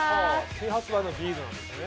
新発売のビールなんですね。